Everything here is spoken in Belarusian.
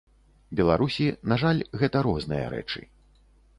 Беларусі, на жаль, гэта розныя рэчы.